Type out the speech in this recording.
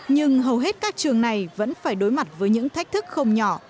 nhưng hầu hết các trường này vẫn phải đối mặt với những thách thức không nhỏ